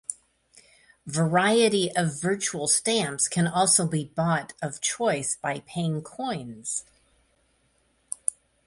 Variety of virtual stamps can also be bought of choice by paying coins.